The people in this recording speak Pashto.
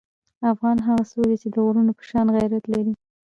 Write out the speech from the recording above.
افغان هغه څوک دی چې د غرونو په شان غیرت لري.